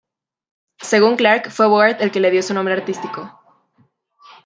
Según Clark, fue Bogart el que le dio su nombre artístico.